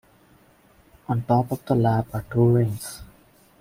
On top of the lap are two rings.